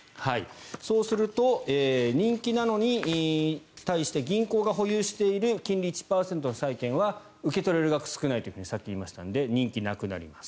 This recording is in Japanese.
そうすると、人気なのに対して銀行が保有している金利１％の債券は受け取れる額が少ないとさっき言いましたので人気がなくなります。